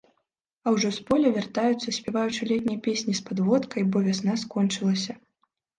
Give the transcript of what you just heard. А ўжо з поля вяртаюцца, спяваючы летнія песні з падводкай, бо вясна скончылася.